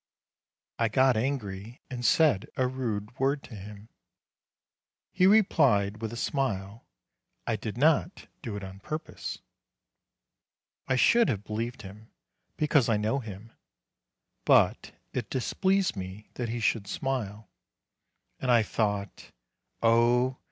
I got angry, and said a rude word to him. THE QUARREL 185 He replied, with a smile, "I did not do it on pur pose." I should have believed him, because I know him; but it displeased me that he should smile, and I thought: "Oh!